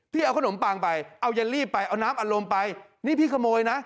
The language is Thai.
เอาขนมปังไปเอาเยลลี่ไปเอาน้ำอารมณ์ไปนี่พี่ขโมยนะ